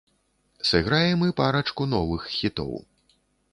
Сыграем і парачку новых хітоў.